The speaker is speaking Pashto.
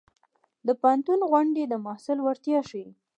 د پوهنتون غونډې د محصل وړتیا ښيي.